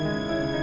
ini udah berakhir